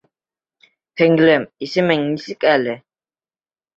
Һеңлем, исемең нисек әле?